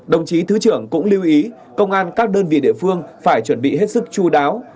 đồng chí thứ trưởng cũng lưu ý công an các đơn vị địa phương phải chuẩn bị hết sức chú đáo